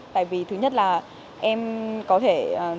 tại vì thứ nhất là em có thể